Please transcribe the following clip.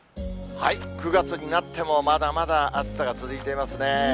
９月になってもまだまだ暑さが続いていますね。